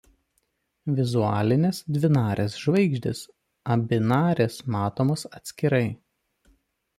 Vizualinės dvinarės žvaigždės abi narės matomos atskirai.